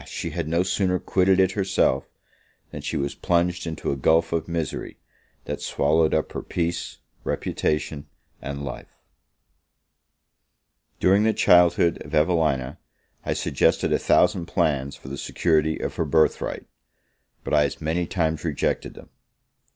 she had no sooner quitted it herself, than she was plunged into a gulph of misery, that swallowed up her peace, reputation, and life. During the childhood of Evelina, I suggested a thousand plans for the security of her birth right; but I as many times rejected them.